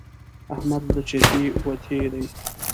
احمد له چتې وتی دی.